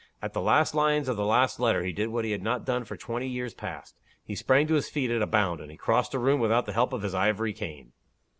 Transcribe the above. At the last lines of the last letter he did what he had not done for twenty years past he sprang to his feet at a bound, and he crossed a room without the help of his ivory cane.